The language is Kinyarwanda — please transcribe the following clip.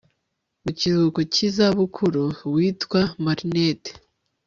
mu kiruhuko cy iza bukuru witwa Marinette